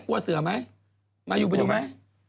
กลัวเสือไหมมายูไปดูไหม